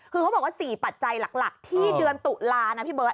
คือเขาบอกว่า๔ปัจจัยหลักที่เดือนตุลานะพี่เบิร์